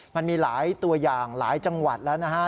มันมีหลายตัวอย่างหลายจังหวัดแล้วนะฮะ